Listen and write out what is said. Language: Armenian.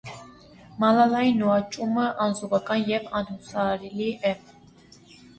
Մալալայի նուաճումը անզուգական եւ անհաւասարելի է։